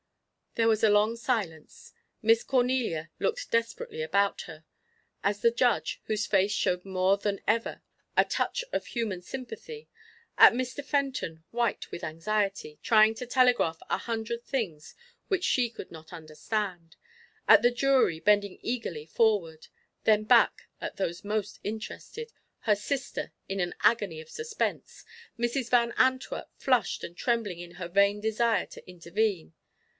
There was a long silence. Miss Cornelia looked desperately about her; at the Judge, whose face showed more than ever a touch of human sympathy; at Mr. Fenton, white with anxiety, trying to telegraph a hundred things which she could not understand; at the jury, bending eagerly forward; then back at those most interested, her sister in an agony of suspense, Mrs. Van Antwerp flushed and trembling in her vain desire to intervene.